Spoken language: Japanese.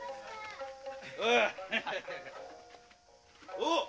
おっ！